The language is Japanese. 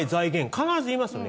必ず言いますよね。